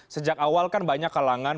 sejak awal kan banyak kalangan